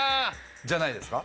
じゃないですか？